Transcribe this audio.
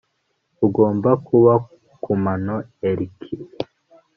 Ugomba kuba kumano eirik